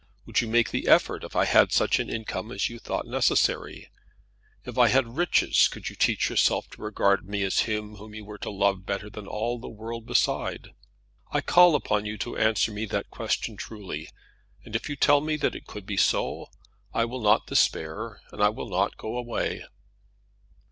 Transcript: Would you make the effort if I had such an income as you thought necessary? If I had such riches, could you teach yourself to regard me as him whom you were to love better than all the world beside? I call upon you to answer me that question truly; and if you tell me that it could be so, I will not despair, and I will not go away."